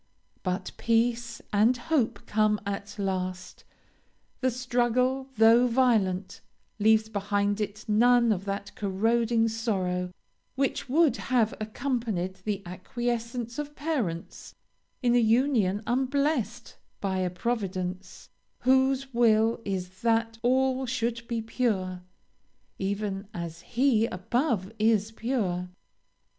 But peace and hope come at last the struggle, though violent, leaves behind it none of that corroding sorrow, which would have accompanied the acquiescence of parents in a union unblessed by a Providence, whose will is that all should be pure, even as He above is pure.